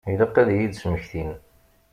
Ilaq ad iyi-d-smektin.